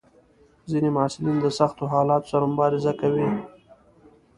ځینې محصلین د سختو حالاتو سره مبارزه کوي.